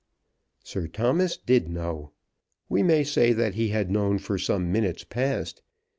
Sir Thomas did know. We may say that he had known for some minutes past.